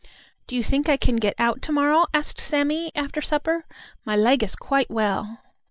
"Do you think I can get out to morrow?" asked Sammie, after supper. "My leg is quite well."